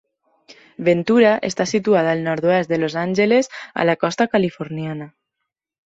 Ventura està situada al nord-oest de Los Angeles a la costa californiana.